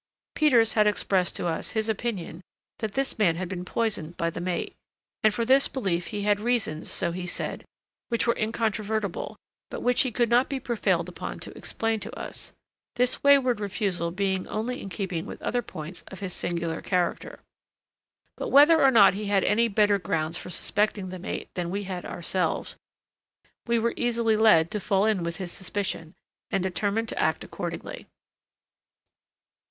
Peters had expressed to us his opinion that this man had been poisoned by the mate, and for this belief he had reasons, so he said, which were incontrovertible, but which he could not be prevailed upon to explain to us—this wayward refusal being only in keeping with other points of his singular character. But whether or not he had any better grounds for suspecting the mate than we had ourselves, we were easily led to fall in with his suspicion, and determined to act accordingly.